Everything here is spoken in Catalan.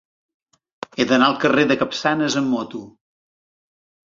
He d'anar al carrer de Capçanes amb moto.